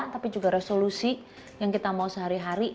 tapi juga resolusi yang kita mau sehari hari